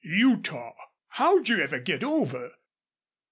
"Utah? How'd you ever get over?